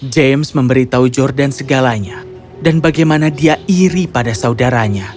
james memberitahu jordan segalanya dan bagaimana dia iri pada saudaranya